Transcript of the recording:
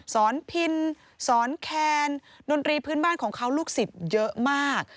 พินสอนแคนดนตรีพื้นบ้านของเขาลูกศิษย์เยอะมาก